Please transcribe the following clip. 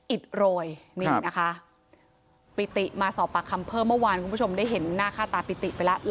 อิดโรยนี่นะคะปิติมาสอบปากคำเพิ่มเมื่อวานคุณผู้ชมได้เห็นหน้าค่าตาปิติไปแล้ว